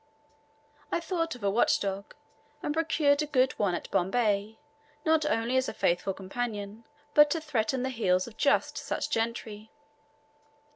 I thought of a watch dog, and procured a good one at Bombay not only as a faithful companion, but to threaten the heels of just such gentry.